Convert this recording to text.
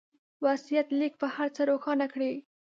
وصيت ليک به هر څه روښانه کړي.